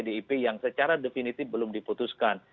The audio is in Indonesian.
pdip yang secara definitif belum diputuskan